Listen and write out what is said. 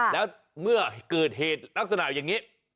แล้วเมื่อเกิดเหตุลักษณะอย่างนี้